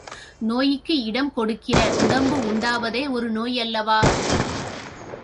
நோய்க்கு இடம் கொடுக்கிற உடம்பு உண்டாவதே ஒரு நோய் அல்லவா?